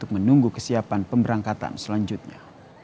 menunggu kesiapan pemberangkatan selanjutnya